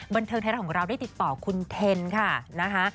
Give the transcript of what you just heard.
บันเทิงไทยรัฐของเราได้ติดต่อคุณเทนค่ะนะคะ